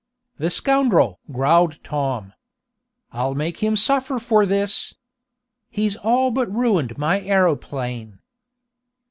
"The scoundrel!" growled Tom. "I'll make him suffer for this! He's all but ruined my aeroplane."